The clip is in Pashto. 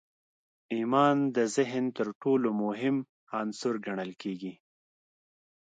ايمان د ذهن تر ټولو مهم عنصر ګڼل کېږي.